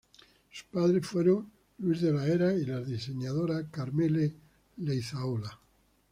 Sus padres fueron Luis de las Heras y la diseñadora Karmele Leizaola.